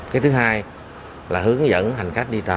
cái thứ hai là hướng dẫn hành khách đi tàu